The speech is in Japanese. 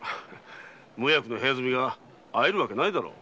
無役の部屋住みが会えるわけないだろう。